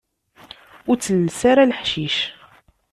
Ur telles ara leḥcic.